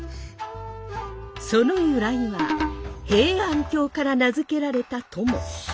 その由来は平安京から名付けられたとも。